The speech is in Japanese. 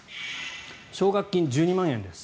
奨学金１２万円です。